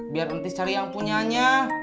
biar nanti cari yang punyanya